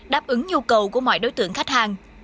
đáp ứng nhu cầu của mọi đối tượng khách hàng